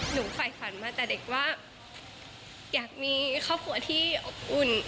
ฝ่ายฝันมาแต่เด็กว่าอยากมีครอบครัวที่อบอุ่น